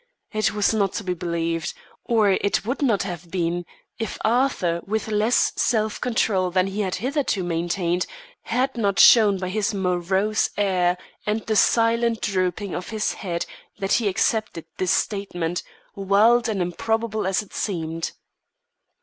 It was not to be believed or it would not have been, if Arthur with less self control than he had hitherto maintained, had not shown by his morose air and the silent drooping of his head that he accepted this statement, wild and improbable as it seemed.